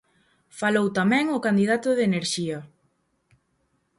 Falou tamén o candidato de enerxía.